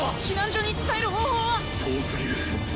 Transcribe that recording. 避難所に伝える方法は⁉遠すぎる！